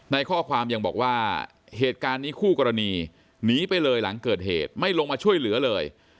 ในข้อความยังบอกว่าเหตุการณ์นี้คู่กรณีหนีไปเลยหลังเกิดเหตุไม่ลงมาช่วยเหลือเลย